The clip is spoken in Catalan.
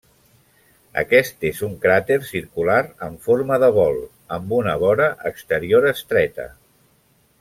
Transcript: Aquest és un cràter circular en forma de bol, amb una vora exterior estreta.